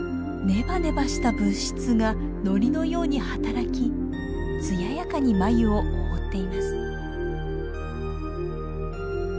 ネバネバした物質がのりのように働き艶やかに繭を覆っています。